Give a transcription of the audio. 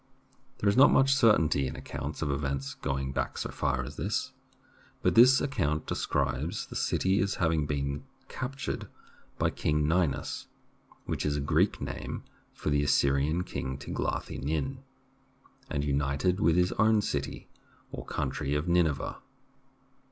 There is not much certainty in accounts of events going back so far as this, but this account describes the city as having been captured by King Ninus (which is a Greek name for the Assyrian King Tiglathi Nin) and united with his own city, or country, of Nineveh.